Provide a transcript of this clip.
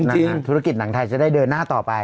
ธุรกิจหนังไทยจะได้เดินหน้าต่อไป